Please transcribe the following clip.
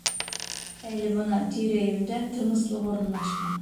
Әле бына тирә-йүндә тыныслыҡ урынлашҡан.